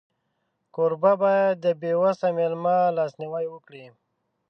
کوربه باید د بېوسه مېلمه لاسنیوی وکړي.